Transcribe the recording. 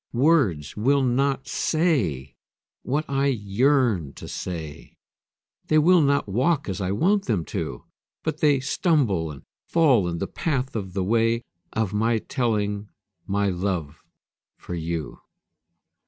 Words will not say what I yearn to say They will not walk as I want them to, But they stumble and fall in the path of the way Of my telling my love for you.